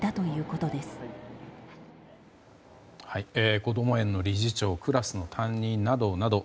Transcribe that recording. こども園の理事長クラスの担任などなど